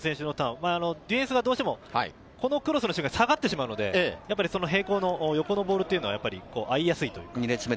ディフェンスがどうしてもこのクロスのシーン、下がってしまうので、並行の横のボールというのは合いやすい。